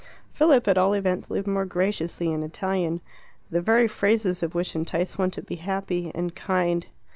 Philip, at all events, lived more graciously in Italian, the very phrases of which entice one to be happy and kind.